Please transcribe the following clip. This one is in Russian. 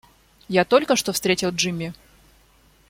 Я только что встретил Джимми.